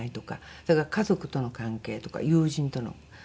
それから家族との関係とか友人との付き合い方とか。